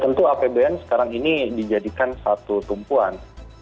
tentu apbn sekarang ini dijadikan satu tumpuan